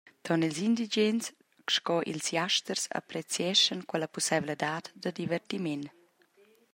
Ton ils indigens sco ils jasters apprezieschan quella pusseivladad da divertiment.